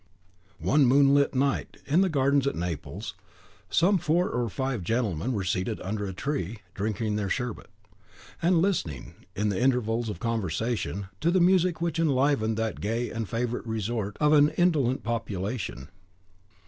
One moonlit night, in the Gardens at Naples, some four or five gentleman were seated under a tree, drinking their sherbet, and listening, in the intervals of conversation, to the music which enlivened that gay and favourite resort of an indolent population.